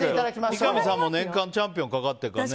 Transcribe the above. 三上さんも年間チャンピオンかかっているからね。